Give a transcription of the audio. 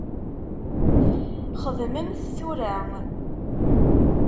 Xedmem-t tura.